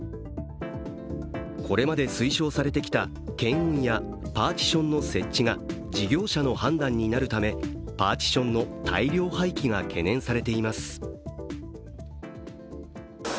これまで推奨されてきた検温やパーティションの設置が事業者の判断になるため、パーティションの大量廃棄が懸念されています。